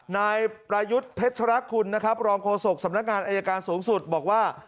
นายประยุทธ์เพชรคุณนะครับรองโฆษกสำนักงานอายการสูงสุดบอกว่า